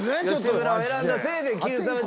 吉村を選んだせいでＱさま！！